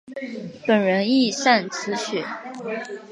本人亦擅词曲。